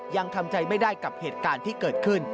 ยังทำใจไม่ได้กับเหตุการณ์ที่เกิดขึ้น